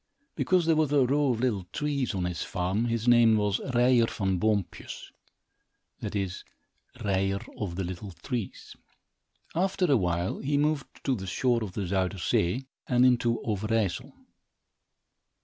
Because there was a row of little trees on his farm, his name was Ryer Van Boompjes; that is, Ryer of the Little Trees. After a while, he moved to the shore of the Zuyder Zee and into Overijssel.